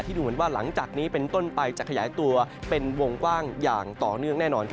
ดูเหมือนว่าหลังจากนี้เป็นต้นไปจะขยายตัวเป็นวงกว้างอย่างต่อเนื่องแน่นอน